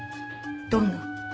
どんな？